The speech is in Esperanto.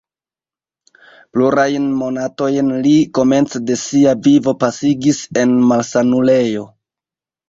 Plurajn monatojn li komence de sia vivo pasigis en malsanulejo.